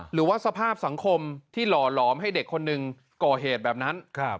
หรือว่าสภาพสังคมที่หล่อหลอมให้เด็กคนหนึ่งก่อเหตุแบบนั้น